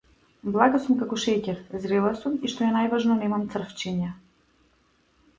Блага сум како шеќер, зрела сум и што е најважно немам црвчиња.